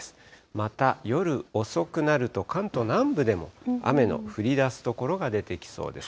また夜遅くなると、関東南部でも雨の降りだす所が出てきそうです。